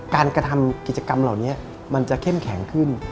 การกระทำกิจกรรมเหล่านี้มันจะเข้มแข็งขึ้น